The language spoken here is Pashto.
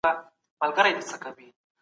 بهرني پانګوال به دلته پانګونه ونه کړي.